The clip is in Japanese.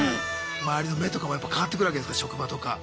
周りの目とかもやっぱ変わってくるわけですか職場とか。